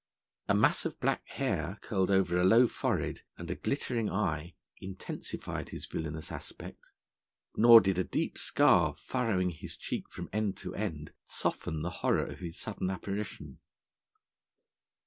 A mass of black hair curled over a low forehead, and a glittering eye intensified his villainous aspect; nor did a deep scar, furrowing his cheek from end to end, soften the horror of his sudden apparition.